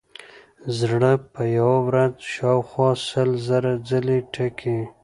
زړه په یوه ورځ شاوخوا سل زره ځلې ټکي.